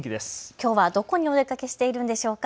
きょうはどこにお出かけしているんでしょうか。